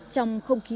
trong không khí